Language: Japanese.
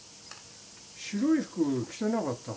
白い服着てなかったか？